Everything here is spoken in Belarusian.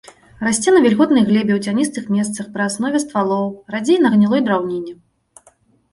Расце на вільготнай глебе ў цяністых месцах пры аснове ствалоў, радзей на гнілой драўніне.